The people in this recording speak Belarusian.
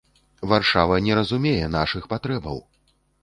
Варшава не разумее нашых патрэбаў!